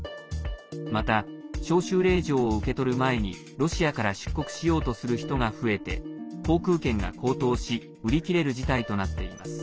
また、召集令状を受け取る前にロシアから出国しようとする人が増えて航空券が高騰し売り切れる事態となっています。